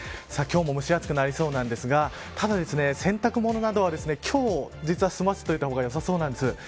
今日も蒸し暑くなりそうなんですがただ洗濯物などは今日実は済ませておいた方がよさそうなんです。